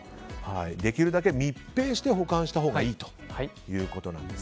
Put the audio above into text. できるだけ密閉して保管したほうがいいと。